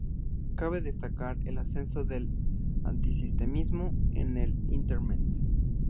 Cabe destacar el ascenso del antisemitismo en el internet.